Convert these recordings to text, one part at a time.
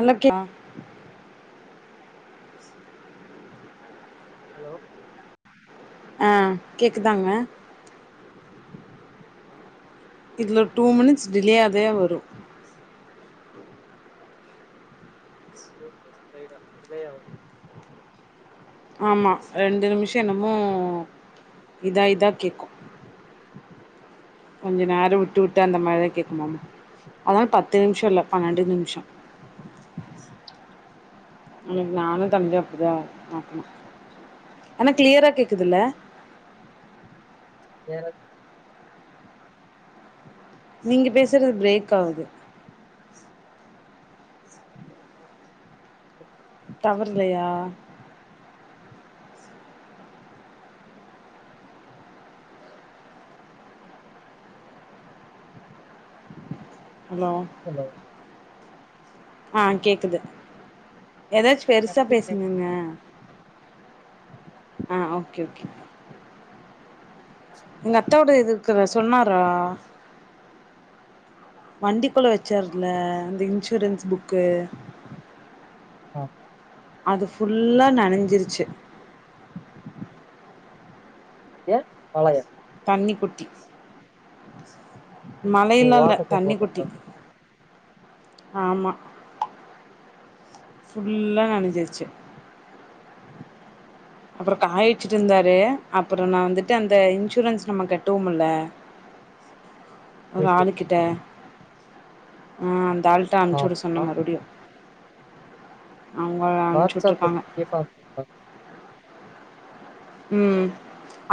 அன்னக்கி ஹலோ ஆ கேக்குதாங்க இதில டூ மினிட்ஸ் டிலே ஆதே வரும் டூ மினிட்ஸ் கைடா டிலே ஆவு ஆமா ரெண்டு நிம்ஷோ என்னமோ இதாயிதா கேக்கும் கொஞ்ச நேரோ விட்டு விட்டு அந்த மாரிதா கேக்குமாம் அதனால பத்து நிம்ஷோல்ல பன்னெண்டு நிம்ஷோ அன்னிக்கி நானு தம்பியு அப்டிதா ஆனா கிளியரா கேக்குதுல்ல [inaudible] நீங்க பேசுறது பிரேக் ஆவுது டவர் இல்லயா ஹலோ ஹலோ ஆ கேக்குது எதாச்சு பெருசா எனக்கு கேக்குது பேசுங்கங்க ஆ ஓகே ஓகே எங்க அத்தாவோட எதிர்க்குறா சொன்னாரா வண்டிக்குள்ள வெச்சார்ருல அந்த இன்ஷுரன்ஸ் புக்கு ஆ அது ஃபுல்லா நனஞ்சிருச்சு ஏன் மழயா தண்ணிக்குட்டி ஓ மழயில்லா இல்ல வாட்டர் கேன் போட்டு தண்ணிக்குட்டி வந்தாரா ஆமா புல்லா நனஞ்சிருச்சு அப்புறோ காயவெச்சிட்டுருந்தாரு அப்புறோ நா வந்துட்டு அந்த இன்சூரன்ஸ் நம்ம கட்டுவோம் இல்ல ஒரு ஆளு கிட்ட ஆ அந்தாள் தா அனுச்சு வுட சொன்ன ஆமா மறுப்டியு அவங்கள் அனுப்புச்சு வாட்ஸ்அப்ல வுட்டுருக்காங்க [unintelligible] ம்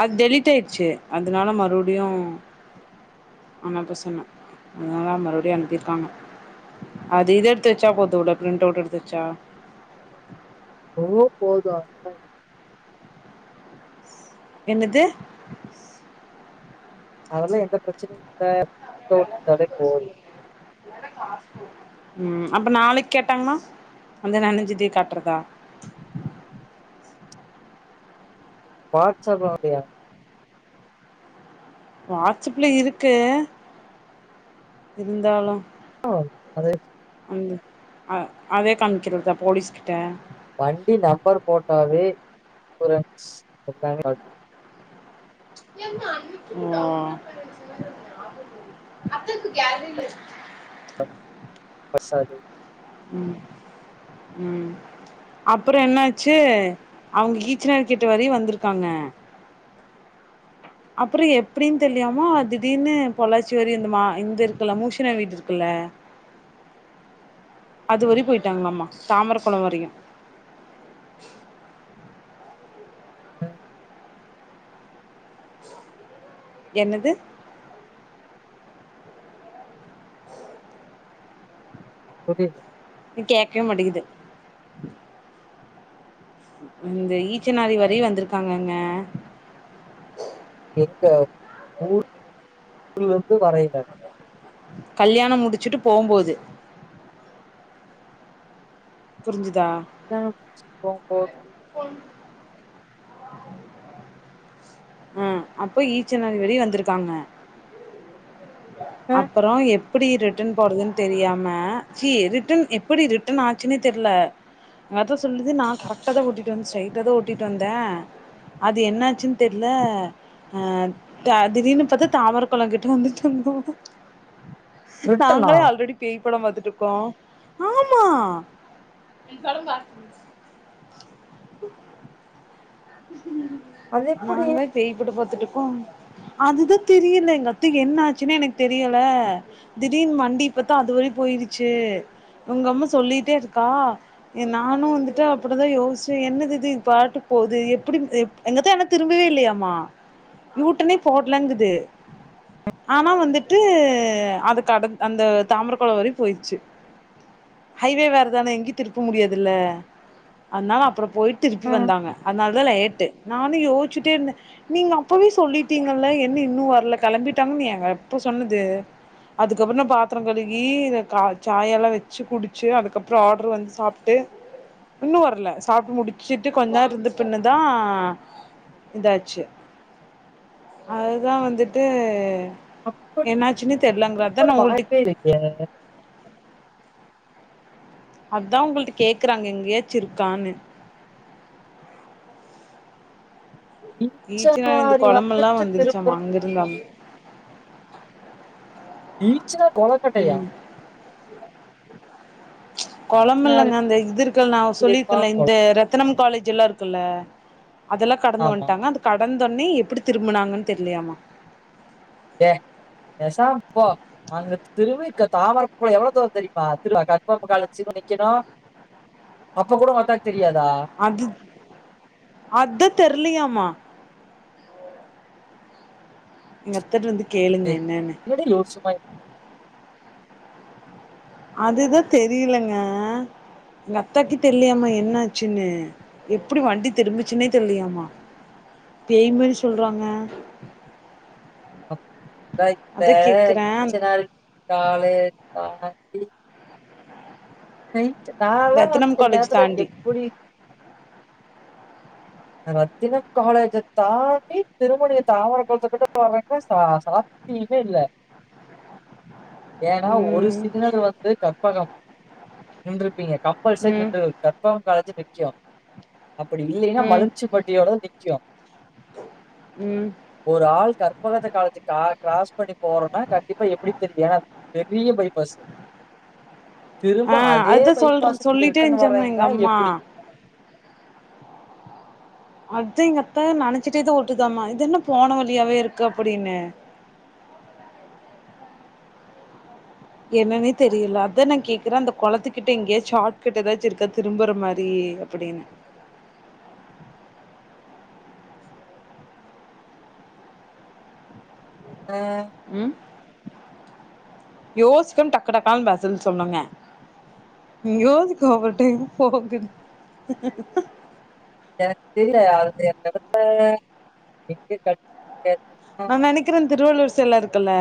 அத் டெலிட் ஆயிட்ச்சு அதனால மறுபுடியு அனால்தா சொன்ன அதனால மறுபடியு அனுப்பிருக்காங்க அதேதா எடுத்துவச்சா போதுவுடு ப்ரிண்ட்டவுட் எடுத்துவச்சா எவ்ளவோ போது என்னது அதெல்லா எந்த பிரச்சனயுல்ல [inaudible] [inaudible] ம் அப்ப நாளைக் கேட்டாங்கண்ணா வந்து நனஞ்சதே காட்றதா வாட்ஸப் ல வந்தியா வாட்ஸப்ல இருக்கு இருந்தாலு ஓ அது வந்து அ அதே காம்க்கிறதா போலீஸ்கிட்ட வண்டி நம்பர் போட்டாவே சூரன்ஸ் எல்லாமே கா [inaudible] ம் அப்துல்க்கு இப்ப யாருமே இல்லே பஸ்ஸா அது ம் ம் அப்றோ என்னாச்சு அவுங்க ஈச்சனாரி கிட்ட வரையு வந்துருக்காங்க அப்றோ எப்டின் தெர்லியாமா திடீர்னு பொள்ளாச்சி வரையு இந்த மா இந்துருக்குல்ல மோஷினா வீடுருக்குல்ல அதுவரையு போய்ட்டாங்களாமா தாமரகொளோ வரையு ம் என்னது புரில்ல இத் கேக்கவே மாட்டிகிது இந்த ஈச்சனாரி வரையு வந்துருக்காங்கங்க எங்க புளியகொளத்து வரயில கல்யாணம் முடிச்சுட்டு போம்போது புரிஞ்சிதா நா போம்போது ஃபோன் ம் அப்போ ஈச்சனாரி வழி வந்திருக்காங்க ஆ அப்பறோ எப் டி ரிட்டன் போறதுன் தெரியாம ச்சி ரிட்டன் எப்டி ரிட்டன் ஆச்சுன்னே தெர்ல அதா சொல்லுது நா கரக்ட்டா தா ஓட்டிட்டு வந் ஸ்ட்ரைட்டா தா ஓட்டிட்டு வந்தே அது என்னாச்சுன் தெர்ல அ த திடீர்னு பாத்தா தாமர கொளங்கிட்ட வந்துட்ருந்தோ ரிட்டனா நாங்களே ஆல்ரெடி பேய் படோ பாத்துட்ருக்கோ ஆமா அது எப்படி நாங்களே பேய்ப்படோ பாத்துட்ருக்கோ அது தான் தெரியில எங்க அத்தைக்கு என்ன ஆச்சுன்னே எனக் தெரியல திடீர்னு வண்டி இப்பத்தா அதுவரையு போயிருச்சு உங்கம்மா சொல்லிட்டே இருக்கா எ நானு வந்துட்டு அப்புடி தா யோஸ்ச்சே என்னதிது இது பாட்டுக் போது எப் புடி எப் எங்கத்த ஆனா திரும்பவே இல்லையாமா யூ டன்னே போட்லங்குது ஆனா வந்துட்டு அது கடந் அந்த தாமர கொளோ வரையு போயிர்ச்சு ஹைவே வேற தானே எங்கயு திருப்ப முடியாதுல்ல அத்னால அப்பறோ போய்ட்டு திருப்பி ஆ வந்தாங்க அத்னால தா லேட்டு நானு யோஸ்ச்ட்டே இருந்தே நீங்க அப்பவே சொல்லிட்டீங்கல்ல என்ன இன்னு வர்ல கிளம்பிட்டாங்கன் எங் எப்போ சொன்னது அதுக்கப்பறோ நா பாத்தரோ கழுகி இத கா சாயால்லா வெச்சு குடிச்சு அதுக்கப்றோ ஆட்ரு வந்து சாப் ட்டு இன்னு வர்ல சாப்ட்டு முடிச்சிட்டு கொஞ் நேர் இர்ந்துட் பின்ன தா இதாச்சு அது தா வந்துட்டு என்னாச்சுனு தெர்லங்கறா அதா நா உங்கள்ட்ட [inaudible] ல அதா உங்கள்ட்ட கேக்கறாங்க எங்யாச்சிருக்கானு ஈச்சனாரி அந்த கொளமெல்லா வந்துட்டு வந்துருச்சாமா திருப்பரம் அங்கர்ந்தாமா ஈச்சனாரி கொள ம் ஈச்சனாரி கொளமில்லங்க அந்த இதுருக்குல்ல நா தீர்த்தா சொல்லிருக்கல்ல கொல இந்த ரத் தனம் காலேஜ் எல்லா இருக்குல்ல அதெல்லா கடந்து ஆமா வந்ட்டாங்க அந்த கடந்தோன்னே எப்டி திரும்பினாங்கன்னு தெர்லயாமா ஏ பேசாம போ அங்க திருவைக தாமரப்பூல எவ்வளோ தூர தெரியுமா [unintelligible] நிக்கணு அப்போ கூட ஓ அத்தாக்கு தெரியாதா அது அதா தெர்லையாமா எங்க அத்தாட்ட வந்து கேளுங்க என்னன்னு என்னடி லூசு மாயி அதுதா தெரியலங்க எங்க அத்தாக்கே தெர்லியாமா என்ன ஆச்சுன்னு எப்டி வண்டி திரும்புச்சுன்னே தெர்லியாமா பேய் மாரி சொல்றாங்க அதா கேக்குறே [inaudible] நைட்டு நாலா வந்து ரத்தனம் செல காலேஜ் நேரத்துல தாண்டி எப்புடி ரத்தினம் காலேஜ தாண்டி திருமணிய தாமரக்கொளத்துக்கிட்ட போ [unintelligible] சா சா யுமே இல்ல ஏனா ஒரு ம் சிக்னல் வந்து கற்பகம் நின்றுருப்பீங்க கம்பல்சரி ம் நின்று கற்பகம் காலேஜு நிக்கு அப்டி இல்லேன்னா ம் மலுன் ச்சுபட்டியோடதா நிக்கு ம் ஒரு ஆள் கற்பகத்த காலேஜ் கா க்ராஸ் பண்ணி போறான்னா கண்டிப்பா எப்டி தெரியு ஏனா பெரிய பைபாஸு திரும்ப ஆ அதே அதா சொல்ற பைபாஸு நீங்க சொல்லிட்டே ரிட்டர்ன் இருந்துச்சாமா எங்க வர்றீங்கனா அம்மா எப்டி அதா எங்க அத்தா நெனைச்சிட்டே தா ஓட்டுதாமா இது என்ன போன வழியாவே இருக்கு அப்டின்னு என்னன்னே தெரியல அதா நா கேக்குற அந்த கொளத்துக்கிட்ட எங்கயாச் சாட்கட் எதாச்சு இருக்கா‌ திரும்பற மாரி அப்டின்னு ஆ ம் யோசிக்காம டக்கு டக்கால்னு பதில் சொல்லுங்க யோசிக் கோப்பட்டே போங்குது எனக்கு தெரியல அவ்ள [inaudible] எங்க கட் நா நெனைக்கிறே திருவள்ளூர் செல இருக்குல்ல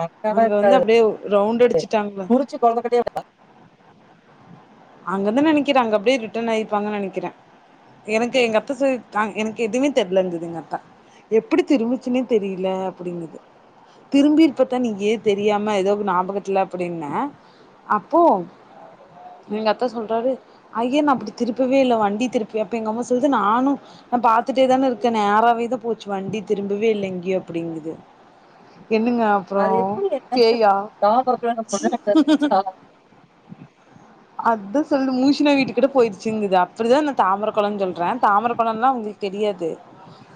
அங்கல்லா அங்க வந்து இருக்காது அப்டியே ரவுண்ட் அடிச்சுட்டாங்களா உறிச்சு கொழந்தக்கிட்டயே அங்கதா நா நிக்கிற அங்க அப்டியே ரிட்டர்ன் ஆயிப்பாங்கன்னு நெனைக்கிற எனக்கு எங்க அத்த சொல்லி நா எனக்கு எதுவுமே தெர்லங்கிது எங்க அத்தா எப்டி திரும்பிச்சுனே தெரியல அப்டிங்குது திரும்பி இருப்பத்தா நீயே தெரியாம ஏதோ ஞாபகத்துல அப்டின்ன அப்போ எங்க அத்தா சொல்றாரு ஐய நா அப்டி திருப்பவே இல்ல வண்டி திருப்பி அப்ப எங்க அம்மா சொல்லுது நானு நா பாத்துட்டேதானே இருக்க நேராவே தா போச்சு வண்டி திரும்பவே இல்ல வண்டி எங்கியு அப்டிங்குது என்னங்க அப்புறோ அது எப்படி பேயா தாமரத்துல நம்ம ச்சி முன்னாடி இருந்துச்சா, அதா சொல்லு மூசின வீட்டுக்கிட்ட போயிருச்சுங்குது அப்படிதா நா தாமரக்கொளனு சொல்றே தாமரக்கொளல்லா உங்க தெரியாது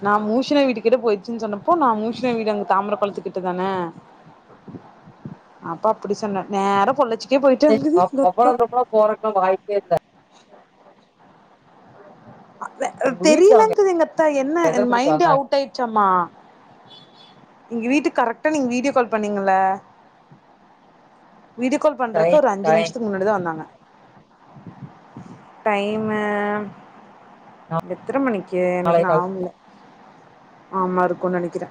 நா மூஷினா வீட்டுக்கிட்ட போயிடுச்சு சொன்னப்போ நா மூஷினா வீடு அங்க தாமரக்கொளத்துக்கிட்ட தான அப்ப அப்படி சொன்னே நேரா பொள்ளாச்சிக்கே போயிட்டேங்குது எங்க அத்தா போறக்கு வாய்ப்பே இல்ல அ த உங்க வீட்டுக்கு அவங்க தெரியலங்குது எங்க அத்தா என்ன எத்தனை மணிக்கு மைண்டே வந்தாங்க அவுட் ஆயிட்ச்சாம்மா எங்க வீட்டுக்கு கரெக்டா நீங்க வீடியோ கால் பண்ணீங்கல்ல வீடியோகால் பண்றக்கு டைம் ஒரு அஞ்சு டைம் நிமிஷத்துக்கு முன்னாடிதா வந்தாங்க டைமு எத்தன மணிக்கு நாளை எனக்கு கால் ஞாபகல்ல ஆமா இருக்குனு நெனைக்கிறே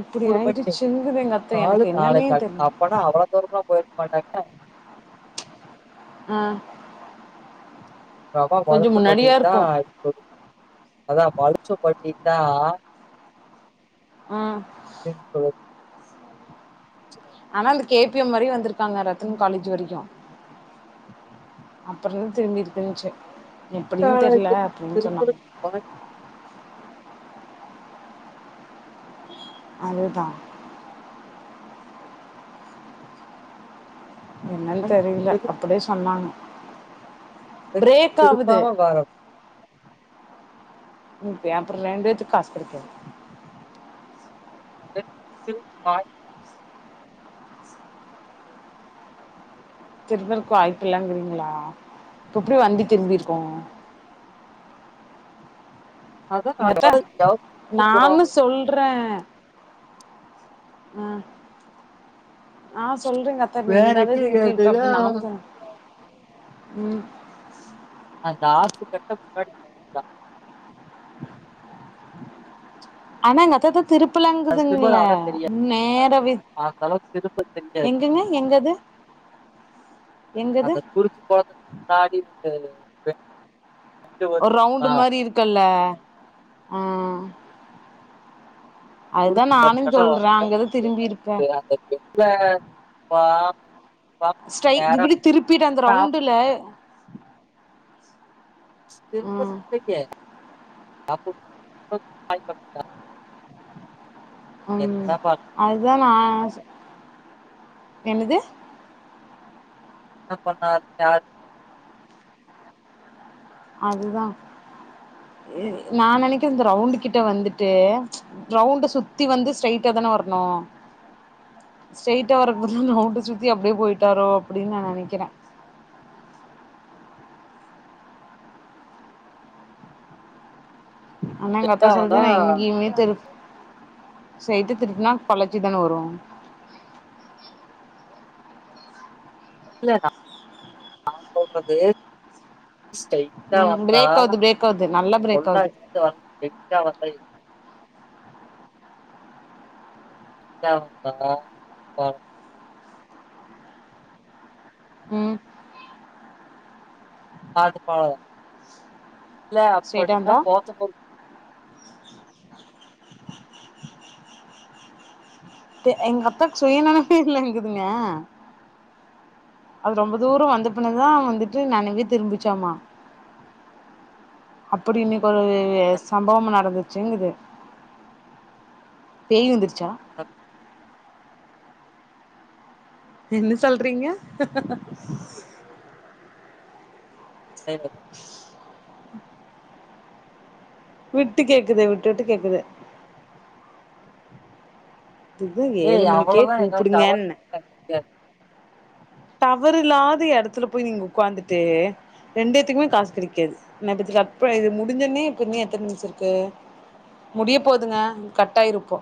இப்டி மூணு மணி ஆயிடுச்சுங்குது எங்க அத்த எனக்கு என்னன்னே தெர்ல அப்பன்னா அவ்ள தூரம்லா போயிருக்க மாட்டாங்க ஆ கொஞ்சோ முன்னாடியா [unintelligible] தா இருக்கு அதா [unintelligible] ம் இப்பவே ஆனா அது கே பி எம் வரையு வந்திருக்காங்க ரத்தன் காலேஜ் வரைக்கு அப்படின்னு திரும்பிட்டு தெரிஞ்சு எப்படியு தெரல காலேஜ் அப்படின்னு திருப்பூர் சொன்னாங்க வண்டி அதுதா என்னாலு வண்டி தெரியல திரு- அப்படியே சொன்னாங்க பிரேக்காவுது திருப்பாம வரோம் உ பேப்பர்லண்டுது காசு குடுக்குறோ திரும்ப வாய். திரும்ப இருக்கு வாய்ப்பலாம்ங்கிறீங்களா இப்போ எப்டி வந்திடு திரும்பியிருக்கோ அதான் நான் எங்கத்த எவ்வளவு நானு யோசிச்சுக்கணும். சொல்றே ம் ஆ சொல்றங்க த வேற நீதான எங்கேயும் திருப்பி இருக்கிறது இல்ல. தப்பு [unintelligible] ம் அந்த ஆசு கட்ட முனாடி ஆனாங்கத்தத்த திருப்பலாங்குதுங்கள திரும்புறவங்க தெரியாது நேரவே அந்த அளவுக்கு திரும்ப தெரியாது எங்கங்க எங்கது எங்கது அந்த குறிச்சு குளதுக்கு முன்னாடி ஒரு பெண்டு ஒரு ரவுண்டு் வருதுமா மாரி இருக்குல்ல ஆ அதுதா குறிச்சி நானு குளத்துக்கிட்ட சொல்றே அங்கதா திரும்பி இருப்பே இல்ல பா ஸ்டைக் இதுப்படி திருப்பிட்டு அந்த நான் ரவுண்டுல ம் திருப்பத்ததுக்கே [unintelligible] ம் என்ன பண்ணா அதுதா நா ஸ் என்னது என்ன பண்ணாரு [unintelligible] அதுதா நா நனைக்கிறது இந்த ரவுண்டு கிட்ட வந்துட்டு ரவுண்டு சுத்தி வந்து ஸ்ட்ரைட்டா தான வரணு ஸ்ட்ரைட்டா வரக்கூது ரவுண்ட சுத்தி அப்டியே போயிட்டாரோ அப்படின்னு நா நனைக்கிறே ஆனா எங்க ஆத்தா ஸ்ட்ரைட்டா வந்தா சொல்லுது நா எங்கயுமே தெருப் சைட்டு திருட்னா பழச்சி தான வரு இல்ல நா சொல்றது ஸ்டைட் சொல்ல ம் வந்தா பிரேக் ஆவுது பிரேக் ஆவுது நல்லா பிரேக் கொல்ல ஆவுது அடி ஸ்டு வந்த எங்க வந்த யா பா ம் பாது பழ இல்ல ஸ்ட்ரைட்டா அப்டின்னா வந்தா போத்தபரு எங்கப்பா சுய நனைப்பே இல்லங்குதுங்க அது ரொம்ப தூர வந்தப்பிண்ணதா வந்துட்டு நெனவே திரும்பிச்சாமா அப்படி இன்னைக்கு ஒரு சம்பவ நடந்துச்சு செங்குது பேய் வந்துச்சா அ என்ன சொல்றீங்க [inaudible] [inaudible] விட்டு கேக்குது விட்டு விட்டு கேக்குது துது ஏழு ஏய் மணிக்கே அவ்வளோதா எங்க டவர் கூப்புடுங்கன்ன டவர் இல்லாத எடத்துல போய் நீங்க உக்காந்துட்டு ரெண்டுதுக்குமே காசு கடைக்காது நா இது கப்ப இது முடிஞ்சுன்னே புண்யா தெரிஞ்ச்சிருக்க முடிய போதுங்க கட்டாயிரு இப்போ